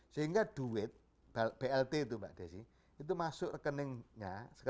sehingga duit blt itu mbak desi itu masuk rekeningnya